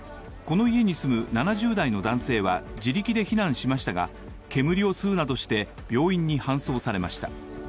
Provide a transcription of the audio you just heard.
この家に住む７０代の男性は自力で避難しましたが、煙を吸うなどして、病院に搬送されました。